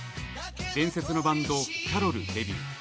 伝説のバンド、キャロルデビュー。